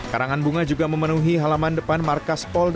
karangan bunga juga memenuhi halaman depan markas polda